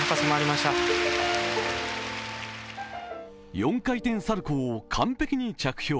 ４回転サルコウを完璧に着氷。